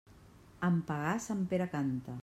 En pagar, sant Pere canta.